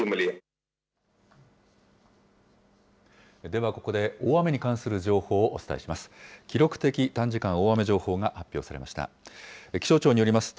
ではここで、大雨に関する情報をお伝えします。